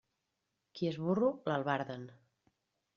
Qui és burro, l'albarden.